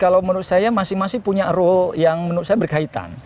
kalau menurut saya masing masing punya rule yang menurut saya berkaitan